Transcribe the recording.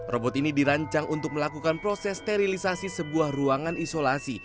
robot ini dirancang untuk melakukan proses sterilisasi sebuah ruangan isolasi